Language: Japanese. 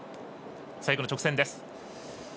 最後の直線です。